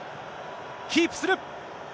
キープする。